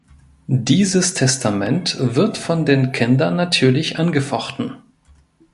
Dieses Testament wird von den Kindern natürlich angefochten.